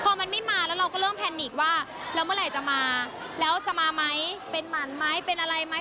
พอมันไม่มาแล้วเราก็เริ่มแพนิกว่าแล้วเมื่อไหร่จะมาแล้วจะมาไหมเป็นหมั่นไหมเป็นอะไรไหม